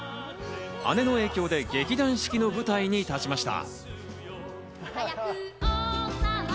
姉の影響で劇団四季の舞台に立ちました。